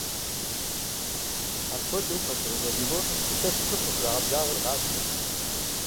Апхуэдэу, Пасэрей Вавилоным ИлъэсыщӀэр къыщрагъэблагъэр гъатхэрт.